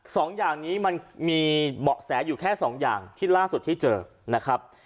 สองอย่างนี้มันมีเบาะแสอยู่แค่สองอย่างที่ล่าสุดที่เจอนะครับ